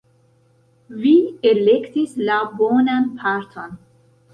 Vi elektis la bonan parton!